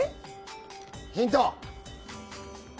ヒント！